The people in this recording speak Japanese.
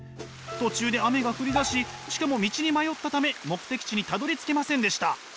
途中で雨が降りだししかも道に迷ったため目的地にたどりつけませんでした。